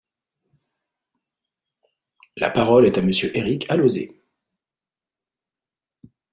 La parole est à Monsieur Éric Alauzet.